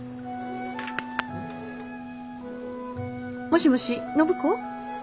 もしもし暢子？